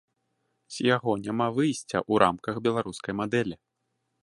З яго няма выйсця ў рамках беларускай мадэлі.